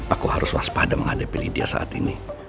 aku harus waspada menghadapi lydia saat ini